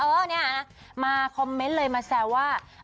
เออเนี่ยมาคอมเมนต์เลยมาแซวว่า